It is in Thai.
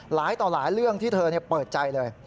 หลายต่อหลายเรื่องที่เธอเปิดใจเลย